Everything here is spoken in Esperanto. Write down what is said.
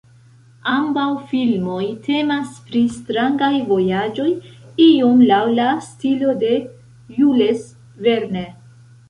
Ambaŭ filmoj temas pri strangaj vojaĝoj, iom laŭ la stilo de Jules Verne.